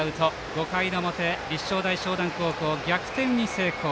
５回の表、立正大淞南高校逆転に成功。